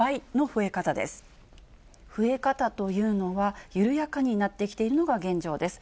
増え方というのは緩やかになってきているのが現状です。